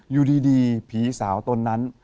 อยู่ดีผีสาวตนนั้น